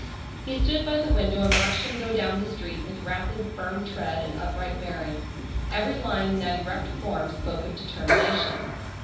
He stood by the window and watched him go down the street with rapid, firm tread and upright bearing. Every line in that erect form spoke of determination.